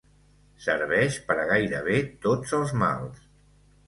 Serveix per a gairebé tots els mals.